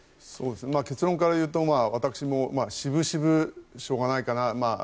結論から言うと私も渋々しょうがないかな。